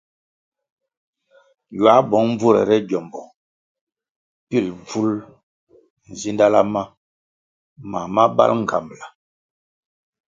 Ywā bong bvurere gyombo pil bvul nzidala ma mam ma bal ngambʼla.